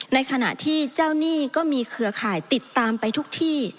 ในขณะที่เจ้าหนี้ก็มีเครือข่ายติดตามไปทุกที่